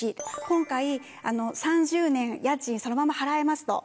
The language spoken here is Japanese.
今回あの３０年家賃そのまま払えますと。